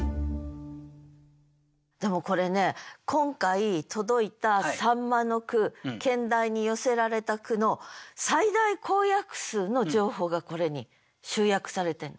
でもこれね今回届いた「秋刀魚」の句兼題に寄せられた句の最大公約数の情報がこれに集約されてんの。